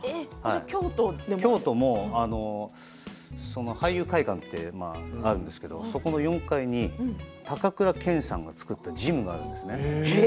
京都でも俳優会館というのがあるんですけれどそこの４階に高倉健さんが作ったジムがあるんですね。